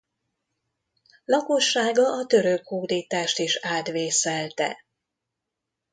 Lakossága a török hódítást is átvészelte.